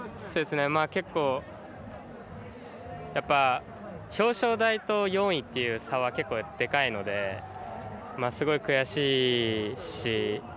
結構表彰台と４位という差は結構、でかいのですごい悔しいし。